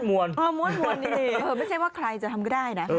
คุณเข่าหมูไม่ใช่ว่าใครจะทำก็ได้นะ